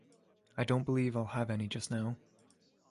I don’t believe I’ll have any just now.